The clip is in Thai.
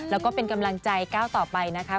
แล้วก็เป็นกำลังใจก้าวต่อไปนะคะ